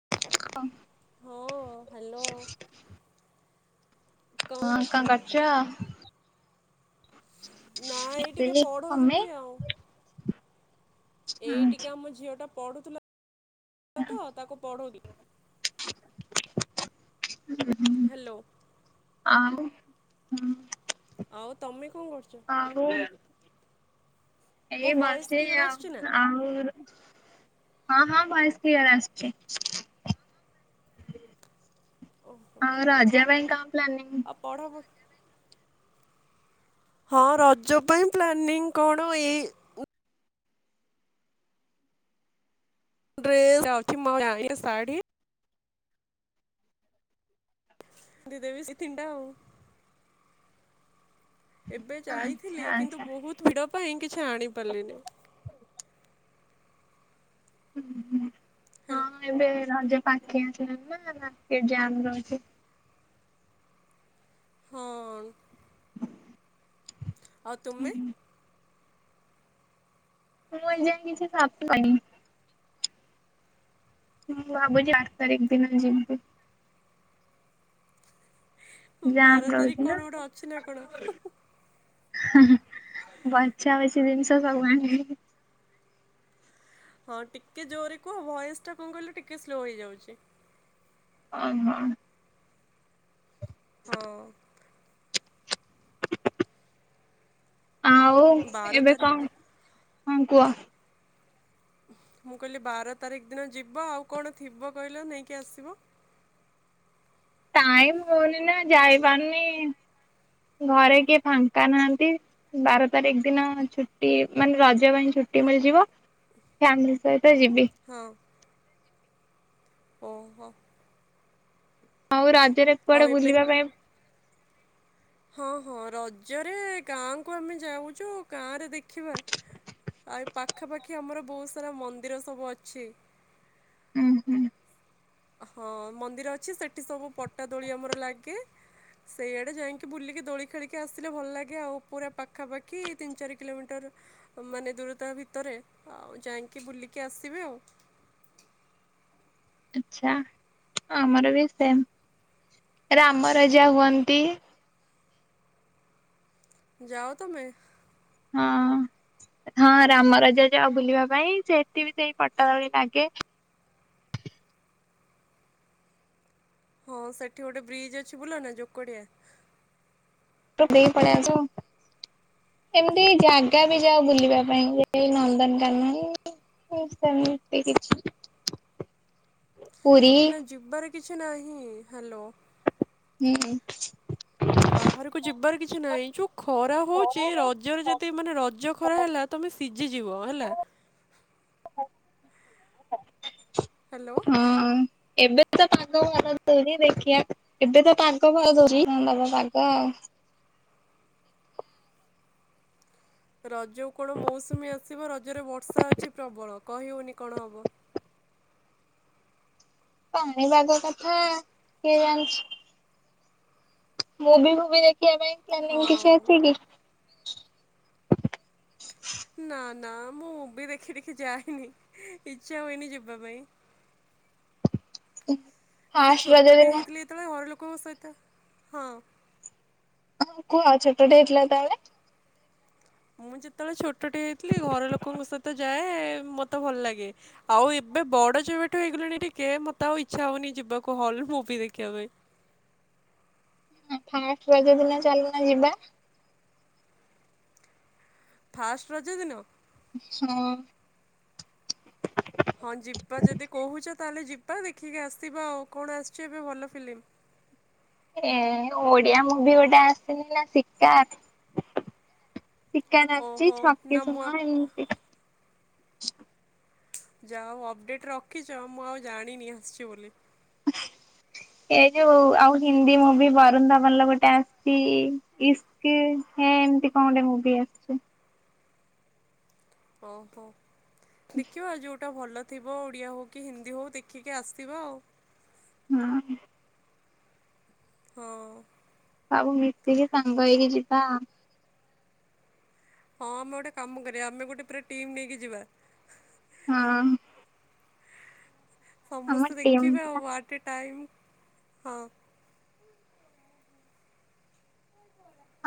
ହଁ ହଁ ହ୍ୟାଲୋ ହଁ କଣ କରୁଛ ନା ଏଇ ଟିକିଏ ସେଇ ମମି ପଢୁଥିଲି ଆଉ ଏଇ ଟିକିଏ ଆମ ଝିଅ ଟା ପଢୁଥିଲା ତ ତାକୁ ପଢୁଉନି ହୁଁ ହ୍ୟାଲୋ ଆଉ ଆଉ ତମେ କଣ କରୁଛ ଆଉ ମୋ ଏଇ ଭଏସ୍ ବସିଛି କ୍ଲିଅର୍ ଆସୁଛି ନା? ଆଉ ଆଉ ହଁ ହଁ ଭଏସ କ୍ଲିୟର ଆସୁଛି ଆଉ ରାଜା ପାଇଁ କଣ ପ୍ଲାନିଂ ଆଉ ପଢ ବ ହଁ ରଜ ପାଇଁ ପ୍ଲାନିଂ କଣ ଏଇ ଡ୍ରେସ ଯାଉଛି ମୋ ଲାଗି ଶାଢୀ ପିନ୍ଧିଦେବି ସେ ତିନିଟା ଆଉ ଏବେ ଆଚ୍ଛା ଯାଇଥିଲି କିନ୍ତୁ ଆଚ୍ଛା ବହୁତ ଭିଡ଼ ପାଇଁ କିଛି ଆଣି ପାରିଲିନି ହୁଁ ହୁଁ ହେଲ୍ ଏବେ ରଜ ପାଖେଇ ଆସିଲାଣିନା ନା ଟିକେ ଜାମ ରହିଛି ହଁ ଆଉ ତୁମେ ମୁଁ ଏଯାଏ କିଛି ସପ କରିନି ମୁଁ ଭାବୁଛି ଆଠ ତାରିଖ ଦିନ ଯିବି ଜାମ୍ ବାର ରହୁଛି ତାରିଖ ନା କଣ ଗୋଟେ ଅଛି ନା କଣ ବଛା ବଛି ଜିନିଷ ସବୁ ଆଣିବି ହଁ ଟିକିଏ ଜୋରେ କୁହ ଭଏସ କଣ କହିଲ ଟିକେ ସ୍ଲୋ ହେଇଯାଉଛି ହଉ ହଉ ହଁ ଆଉ ବାର ଏବେ କଣ ତାରିଖ ହଁ କୁହ। ମୁଁ କହିଲି ବାର ତାରିଖ ଦିନ ଯିବ ଆଉ କଣ ଥିବ କହିଲ ନେଇକି ଆସିବ। ଟାଇମ୍ ହଉନିନା ଯାଇପାରୁନି ଘରେ କିଏ ଫାଙ୍କା ନାହାନ୍ତି। ବାର ତାରିଖ ଦିନ ଛୁଟି ମାନେ ରଜ ପାଇଁ ଛୁଟି ମିଳିଯିବ। ଫ୍ୟାମିଲି ସହିତ ଯିବି। ହଁ। ଓ ହୋ। ଆଉ ରାଜରେ ଆଉ କୁଆଡେ ଏବେ ବୁଲିବା ପାଇଁ ହଁ ହଁ ରଜରେ ଗାଁ କୁ ଆମେ ଯାଉଛୁ ଗାଁ ରେ ଦେଖିବା। ପାଖାପାଖି ଆମର ବହୁତ ସାରା ମନ୍ଦିର ସବୁ ଅଛି। ଉଁ ହୁଁ ହଁ ମନ୍ଦିର ଅଛି ସେଠି ସବୁ ପଟା ଦୋଳି ଆମର ଲାଗେ। ସେଇଆଡ଼େ ଯାଇକି ବୁଲିକି ଦୋଳି ଖେଳିକି ଆସିଲେ ଭଲ ଲାଗେ ଆଉ ଉପରେ ପାଖାପାଖି ତିନି ଚାରି କିଲୋମିଟର ମାନେ ଦୂରତା ଭିତରେ ଆଉ ଯାଇକି ବୁଲିକି ଆସିବେ ଆଉ। ଆଛା ଆମର ବି ସେମ ରାମ ରାଜା ହୁଅନ୍ତି। ଯାଅ ତମେ। ହଁ। ହଁ ରାମ ରାଜା ଯାଅ ବୁଲିବା ପାଇଁ ସେଠି ବି ସେଇ ପଟା ଦଳି ଲାଗେ। ହଁ ସେଠି ଗୋଟେ ବ୍ରିଜ୍ ଅଛି ବୁଲ ନା ଯୋକଡିଆ। [unintelligible] ପଳେଇଆସ ଏମିତି ଜାଗା ବି ଯାଅ ବୁଲିବା ପାଇଁ [inaudible] ଏଇ ନନ୍ଦନକାନନ ସେମିତି କିଛି ପୁରୀ। ନା ଯିବାର କିଛି ନାହିଁ ହ୍ୟାଲୋ। ହୁଁହୁଁ। ବାହାରକୁ ଯିବାର କିଛି ନାହିଁ ଯୋଉ ଖରା ହଉଛି ରଜରେ ହୁଁ। ଯଦି ମାନେ ରଜ ଖରା ହେଲା ତମେ ସିଝିଯିବ ହେଲା। ହ୍ୟାଲୋ। ହଁ ଏବେ ତ ପାଗ ଭଲ ଦଉଚି ଦେଖିବା ଏବେ ତ ପାଗ ଭଲ ଦେଉଚି ହଁ ଦବ ପାଗ। ରଜ କୁ କଣ ମୌସୁମୀ ଆସିବ ରଜରେ ବର୍ଷା ଅଛି ପ୍ରବଳ କହିହଉନି କଣ ହବ? ପାଣିପାଗ କଥା କିଏ ଜାଣିଛି? ମୁଭି ଭୁଭି ଦେଖିବା ପାଇଁ ପ୍ଲାନିଙ୍ଗ କିଛି ହଁ ଅଛି କି? ନା ନା ମୁଁ ମୁବି ଦେଖି ଦେଖି ଯାଏନି ଇଚ୍ଛା ହୁଏନି ଯିବା ପାଇଁ। ଫାଷ୍ଟ ରଜ ଦିନ କେତେବେଳେ ଘର ଲୋକଙ୍କ ସହିତ ହଁ। କୁହ ଛୋଟଟେ ହେଇଥିଲା ତାହେଲେ। ମୁଁ ଯେତେବେଳେ ଛୋଟଟେ ହେଇଥିଲି ଘର ଲୋକଙ୍କ ସହିତ ଯାଏ ମୋତେ ଭଲ ଲାଗେ ଆଉ ଏବେ ବଡ ଯେବେଠୁ ହେଇଗଲେଣି ଟିକେ ମତେ ଆଉ ଇଚ୍ଛା ହଉନି ଯିବାକୁ ହଲ ମୁଭି ଦେଖିବା ପାଇଁ। ହଁ ଫାଷ୍ଟ ରଜ ଦିନ ଚାଲୁନ ଯିବା? ଫାଷ୍ଟ ରଜ ଦିନ। ସ। ହଁ ଯିବା ଯଦି କହୁଛ ତାହେଲେ ଯିବା ଦେଖିକି ଆସିବା ଆଉ କଣ ଆସିଛି ଏବେ ଭଲ ଫିଲ୍ମ। ଏ ଓଡିଆ ମୁଭି ଗୋଟେ ଆସିନି ନା ଶିକାର। ଶୀକାର ଆସିଛି ଓହୋ ଛକି ନା ମୁଁ ସୁନ ଏମିତି ଯାହା ହଉ ଅପଡ଼େଟ୍ ରଖିଛ ମୁଁ ଆଉ ଜାଣିନି ଆସିଛି ବୋଲି। [inaudible] ଏ ଯୋଉ ଆଉ ହିନ୍ଦୀ ମୁଭି ବରୁନ ଧବଲ ର ଗୋଟେ ଆସିଛି ଇସ୍କ୍। କି ହେଁ ଏମତି କଣ ଗୋଟେ ମୁଭି ଆସିଛି। ଓହୋ ଦେଖିବା ଯୋ ଟା ଭଲ ଥିବ ଓଡ଼ିଆ ହେଉ କି ହିନ୍ଦୀ ହଉ ଦେଖିକି ଆସିବ ଆଉ। ହୁଁ। ହଁ। ଆଉ ମିଶିକି ସାଙ୍ଗ ହେଇକି ଯିଵା। ହଁ ଆମେ ଗୋଟେ କାମ କରିବା, ଆମେ ଗୋଟେ ପୁରା ଟିମ୍ ନେଇକି ଯିବା। ହଁ। ଆମ ସମସ୍ତେ ଟିମ୍ ଦେଖିବେ ପୁରା ଆଉ ଆଟେ ଟାଇମ୍, ହଁ।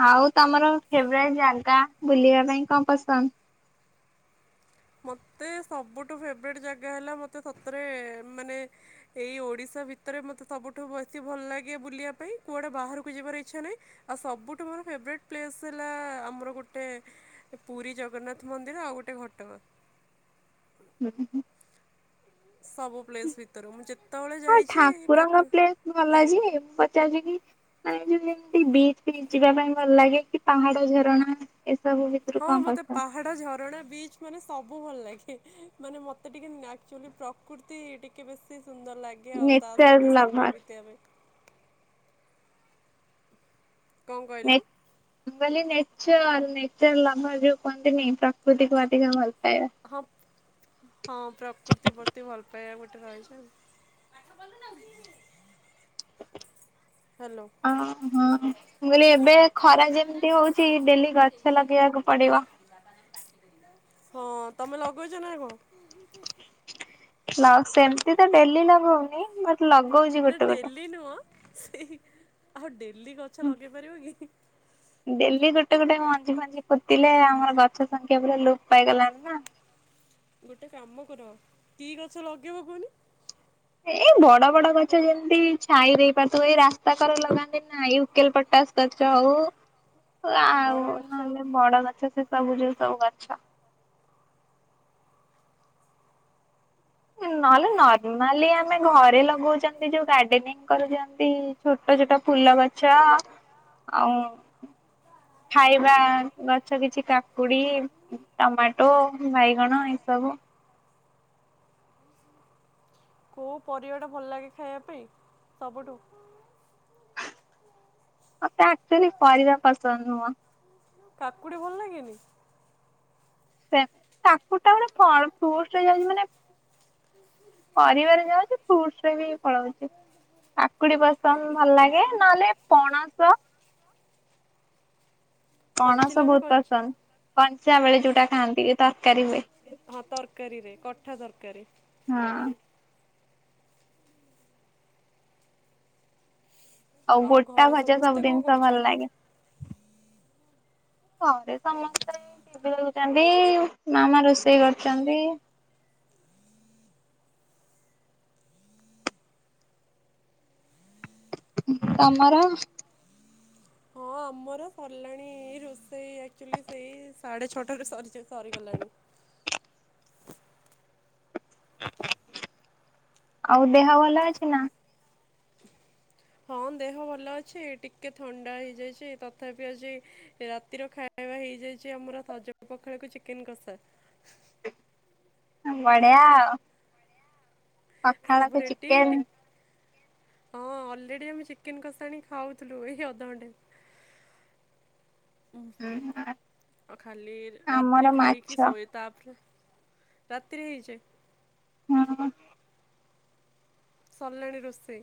ଆଉ ତମର ଫେବରାଇଟ୍ ଜାଗା, ବୁଲିବା ପାଇଁ କଣ ପସନ୍ଦ? ମତେ ସବୁଠୁ ଫେବରେଟ୍ ଜାଗା ହେଲା, ମତେ ସତରେ ମାନେ ଏଇ ଓଡିଶା ଭିତରେ, ମତେ ସବୁଠୁ ବେଶୀ ଭଲ ଲାଗେ ବୁଲିବା ପାଇଁ, କୁଆଡେ ବାହାରକୁ ଯିବାର ଇଚ୍ଛା ନାହିଁ। ଆଉ ସବୁଠୁ ମୋର ଫେବରେଟ୍ ପ୍ଲେସ୍ ହେଲା, ଆମର ଗୋଟେ ଏ ପୁରୀ ଜଗନ୍ନାଥ ମନ୍ଦିର ଆଉ ଗୋଟେ ଘଟଗାଁ। ହୁଁ-ହୁଁ-ହୁଁ। ସବୁ ପ୍ଲେସ୍ ଭିତରୁ, ମୁଁ ଯେତେବେଳେ ଯାଇଚି [unintelligible] ତୁ ଭଲ ହେଉଚି କି, ପଚାରୁଚି କି? ମାନେ ଯେମିତି ବିଚ୍ ଯିବା ପାଇଁ ଭଲ ଲାଗେ, କି ପାହାଡ ଝରଣା ଏସବୁ ଵି। ହଁ ମୋତେ ପାହାଡ଼, ଝରଣା, ବିଚ୍ ମାନେ ସବୁ ଭଲ ଲାଗେ। ମାନେ ମତେ ଟିକେ ନାଚୁଆଲି ପ୍ରକୃତି ଟିକେ ବେଶୀ ସୁନ୍ଦର ଲାଗେ। [unintelligible] ଆଉ ତା ନେଚର ସହିତ ଲଭର ସମୟ ବିତେଇବା ପାଇଁ କଣ ନେ କହିଲ? ମୁଁ କହିଲି ନେଚର-ନେଚର ଲଭର୍ ଯୋଉ କୁହନ୍ତିନି, ପ୍ରକୃତିକୁ ଅଧିକା ଭଲ ପାଏ। [unintelligible] ହଁ ପ୍ରକୃତି ପ୍ରତି ଭଲ ପାଇବା ଗୋଟେ ରହିଛନ। ହ୍ୟାଲୋ ହଁ-ହଁ, ମୁଁ କହିଲି ଏବେ ଖରା ଯେମିତି ହଉଚି ଡେଲି ଗଛ ଲଗେଇବାକୁ ପଡିବ। ହଁ ତମେ ଲଗେଇଛ ନା କଣ? ତ ସେମିତିତ ଡେଲି ଲଗଉନି, ବଟ୍ ଲଗଉଛି ଗୋଟେ-ଗୋଟେ। ସେ ନୁହଁ ସେଇ, ଆଉ ଡେଲି ଗଛ ଲଗେଇ ପାରିବ କି? ଡେଲି ଗୋଟେ-ଗୋଟେ ମଞ୍ଜି ଫଞ୍ଜି ପୋତିଲେ, ଆମର ଗଛ ସଂଖ୍ୟା ପୁରା ଲୋପ୍ ପାଇଗଲାଣି ନା। ଗୋଟେ କାମ କର, କି ଗଛ ଲଗେଇବ କୁହନି? ଏଇ ବଡ଼-ବଡ଼ ଗଛ ଯେମିତି ଛାଇ ଦେଇ ପାରୁଥିବ, ଏଇ ରାସ୍ତା କଡରେ ଲଗାନ୍ତିନା ଇଉକେଲ୍ ପଟାସ। ଆଚ୍ଛା ହଉ [unintelligible] ବରଗଛ ବଡ଼ଗଛ ସେ ସବୁ ଯୋଉ ସବୁ ଗଛ। ନହେଲେ ନର୍ମାଲି, ଆମେ ଘରେ ଲଗଉଚନ୍ତି ଯୋଉ ଗାର୍ଡେନେ। ଘରେ ଯେନ୍ତି ଛୋଟ-ଛୋଟ ଫୁଲଗଛ, ଆଉ ଖାଇବା ଗଛ କିଛି, କାକୁୁଡି ଟମାଟୋ, ବାଇଗଣ ଏସବୁ। କୋଉ ପରିବାଟା ଭଲ ଲାଗେ ଖାଇବା ପାଇଁ ସବୁଠୁ? ମତେ ଆକ୍ଚୁଆଲି ପରିବା ପସନ୍ଦ ନୁହଁ। କାକୁଡି ଭଲ ଲାଗେନି? ସେ କାକୁଡିଟା ଗୋଟେ ଫଳ [unintelligible] ମାନେ ପରିବାରେ ଯାଉଛି, ଫ୍ରୁଟ୍ସରେ ବି ପଳଉଚି। କାକୁଡି ପସନ୍ଦ ଭଲ ଲାଗେ, ନହେଲେ ପଣସ ପଣସ ପାଚିଲା ନା ବହୁତ୍ କଞ୍ଚା ପସନ୍ଦ, କଞ୍ଚା ବେଳେ ଯୋଉଟା ଖାଆନ୍ତି ତରକାରୀ ହୁଏ। ହଁ ତରକାରୀରେ, କଠା ତରକାରୀ। ହଁ ଆଉ ଗୋଟା ଘରେ ଭଜା ସମସ୍ତେ ସବୁ କଣ ଜିନିଷ ଭଲ କରୁଛନ୍ତି? ଲାଗେ। ଘରେ ସମସ୍ତେ ବୁଲୁଛନ୍ତି, ମାମା ରୋଷେଇ କରୁଛନ୍ତି। ହୁଁ ତମର? ହଁ, ଆମର ସରିଲାଣି, ରୋଷେଇ ଆଚୁଆଲି ସେଇ ସାଢେ ଛଅଟାରୁ ସରି -ସରିଗଲାଣି। ଆଉ ଦେହ ଭଲ ଅଛି ନା? ହଁ ଦେହ ଭଲ ଅଛି। ଟିକେ ଥଣ୍ଡା ହେଇଯାଇଛି। ତଥାପି ଆଜି ହେଁ ହେଁ ରାତିର ଖାଇବା ହେଇଯାଇଛି ଆମର ସଜ ପଖାଳକୁ ଚିକେନ କଷା। ବଢ଼ିଆ ଆଉ ସବୁ ପଖାଳକୁ ରେଡି ଟି ଚିକେନ୍‌ ହଁ ଅଲରେଡ଼ି ଆମେ ଚିକେନ୍‌ କଷା ଆଣି ଖାଉଥିଲୁ। ଏଇ ଅଧଘଣ୍ଚେ ହଁ ହଁ ଖାଲି ରାତିରେ ଆମର ମାଛ ଖାଇକି ଶୋଇ ତାପରେ ରାତିରେ ହେଇଚି। ହୁଁ ସରିଲାଣି ରୋଷେଇ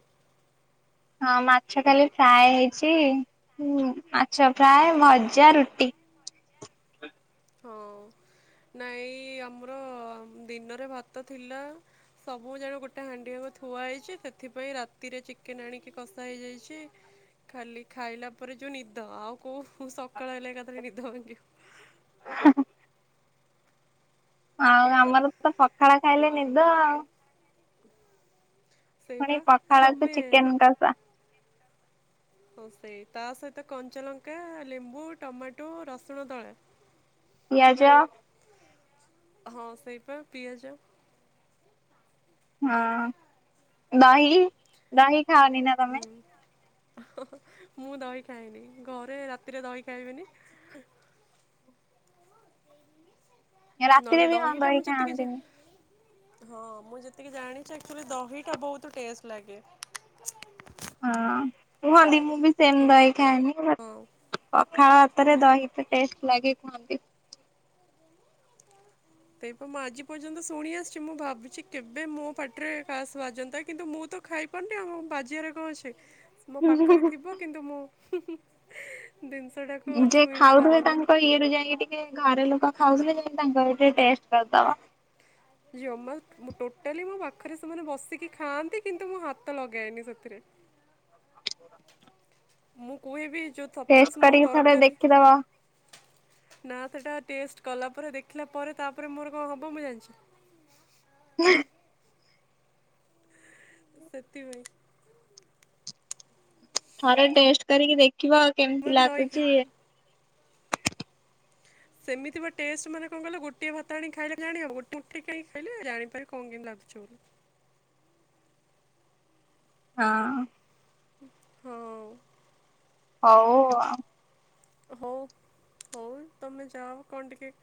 ହଁ ମାଛ ଖାଲି ଫ୍ରାଏ ହେଇଛି। ମାଛ ଫ୍ରାଏ, ଭଜା, ରୁଟି, ହଁ, ନାଇଁ ଆମର ଦିନରେ ଭାତ ଥିଲା ସବୁ ଯାକ ଗୋଟେ ହାଣ୍ଡି ଯାକ ଥୁଆ ହେଇଛି। ସେଥିପାଇଁ ରାତିରେ ଚିକେନ୍ ଆଣିକି କଷା ହେଇଯାଇଛି। ଖାଲି ଖାଇଲା ପରେ ଯୋଉ ନିଦ ଆଉ କୋଉ ସକାଳ ହେଲେ ଏକାଥରେ ନିଦ ହଉନି ହଁ -ହଁ- ହୁଁ ଆଉ ଆମର ତ ପଖାଳ ଖାଇଲେ ନିଦ ଆଉ ପୁଣି ସେଇବା ପଖାଳକୁୁ ଆମେ ଚିକେନ୍‌ କଷା ହଁ ସେଇ ତା ସହିତ କଞ୍ଚା ଲଙ୍କା, ଲେମ୍ବୁ, ଟମାଟୋ, ରସୁଣ ଦଳା ପିଆଜ ହଁ ସେଇ ପା ପିଆଜ ହଁ, ଦହି- ଦହି ଖାଅ ନିି ନା ତମେ ହଁ -ହଁ -ମୁଁ ଦହି ଖାଏନି ଘରେ ରାତିରେ ଦହି ଖାଇବେନି ରାତିରେ ନହେଲେ ବି ହଁ ଦହିଟା ଦହି ମୁଁ ଯେତିକି ଯା ଖାଆନ୍ତିନି ହଁ ମୁଁ ଯେତିକି ଜାଣିଛି ଆର୍କଚୁୟାଲି ଦହିଟା ବହୁତ ଟେଷ୍ଟ ଲାଗେ ହଁ ମୁ [unintelligible] ମୁଁ ବି ସେମ ଦହି ଖାଏନି ହଁ। କାହା ହାତରେ ଦହି ଏତେ ଟେଷ୍ଟ ଲାଗେ ଖାନ୍ତି। ତେବେ ମୁଁ ଆଜି ପର୍ଯ୍ୟନ୍ତ ଶୁଣି ଆସିଛି ମୁଁ ଭାବୁଛି କେବେ ମୋ ପାଟିରେ କାସ୍ ବାଜନ୍ତା କିନ୍ତୁ ମୁଁ ତ ଖାଇ କଣ ଟେ ଆଉ ବାଜିବାରେ କଣ ଅଛି। ହ ମୋ ପାଖରେ ଥିବ କିନ୍ତୁ ମୁଁ, ହୁଁ, ଉଁ, ଜିନିଷଟାକୁ ଛୁଇଁ ବି ପାରେନି ସିୟାଡୁ ଯାଇକି ଟିକେ ଘର ଲୋକ ଖାଉଥିଲେ ଯାଇଁ କି ତାଙ୍କର ଟିକେ ଟେଷ୍ଟ କରିଦବା ଜମା ଟୋଟାଲି ମୋ ପାଖରେ ସେମାନେ ବସିକି ଖାଆନ୍ତି କିନ୍ତୁ ମୁଁ ହାତ ଲଗାଏନି ସେଥିରେ ମୁଁ କୁହେବି ଯେଉ ଟେଷ୍ଟ ସପୋଜ୍‌ ମୋ କରିକି ଥରେ ତରକାରୀ ଦେଖିଦବ। ନା ସେଟା ଟେଷ୍ଟ କଲା ପରେ ଦେଖିଲା ପରେ ତାପରେ ମୋର କଣ ହବ ମୁଁ ଜାଣିଛି। ହିଁ ସେଥିପାଇଁ ଥରେ ତମେ ଟେଷ୍ଟ କରିକି ଦେଖିବ କେମିତି ବି ଦହି ଖା ଲାଗୁଛି। ସେମିତି ବା ଟେଷ୍ଟ ମାନେ କଣ କହିଲ ଗୋଟିଏ ଭାତ ଆଣିକି ଖାଇଲେ ଜାଣିିହବ ଗୋଟେ ମୁଠି ଖାଇଲେ ଜାଣିପାରିବ କଣ କେମିତି ଲାଗୁଚ ବୋଇଲେ ହଁ ହୋଉ। ହୋଉ ଆଉ। ହୋଉ, ହୋଉ ତମେ ଯାଅ କଣ ଟିକେ